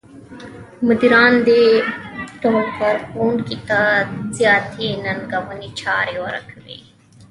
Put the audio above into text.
مديران دې ډول کار کوونکو ته زیاتې ننګوونکې چارې ورکوي.